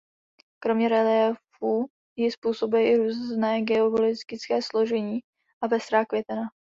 Kromě reliéfu ji způsobuje i různé geologické složení a pestrá květena.